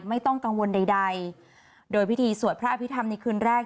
ไม่ต้องกังวลใดใดโดยพิธีสวดพระอภิษฐรรมในคืนแรก